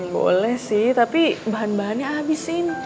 boleh sih tapi bahan bahannya abisin